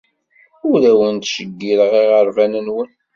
Ur awen-ttjeyyireɣ iɣerban-nwen.